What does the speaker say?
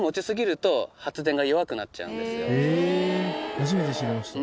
初めて知りました。